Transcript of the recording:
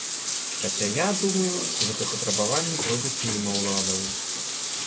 Хаця я думаю, што гэтыя патрабаванні пройдуць міма ўладаў.